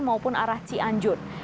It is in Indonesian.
maupun arah cianjur